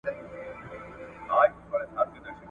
ته وا خوشي په لمنو کي د غرو سوه !.